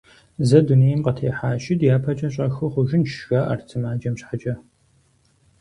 Зэ дунейм къытехьащи, дяпэкӀэ щӀэхыу хъужынщ, – жаӀэрт сымаджэм щхьэкӀэ.